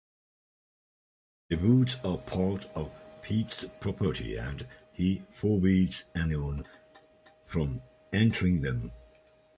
The woods are part of Pete's property and he forbids anyone from entering them.